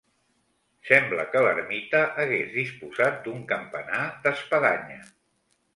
Sembla que l'ermita hagués disposat d'un campanar d'espadanya.